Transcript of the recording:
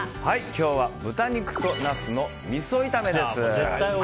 今日は豚肉とナスのみそ炒めです。